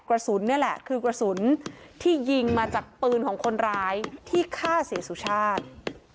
กระสุนเนี่ยแหละคือกระสุนที่ยิงมาจากปืนของคนร้ายที่ฆ่าเศรษฐชาติ